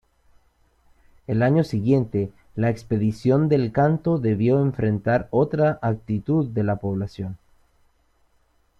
El año siguiente la expedición del Canto debió enfrentar otras actitud de la población.